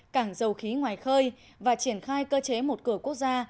cảng dầu khí ngoài khơi và triển khai cơ chế một cửa quốc gia